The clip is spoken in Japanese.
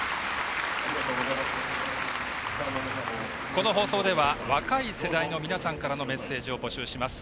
この放送では若い世代の皆さんからのメッセージを募集します。